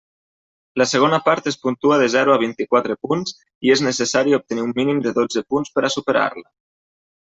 La segona part es puntua de zero a vint-i-quatre punts, i és necessari obtenir un mínim de dotze punts per a superar-la.